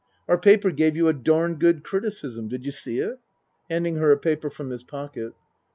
Our paper gave you a darned good criticism. Did you see it? (Handing her a paper from his pocket.)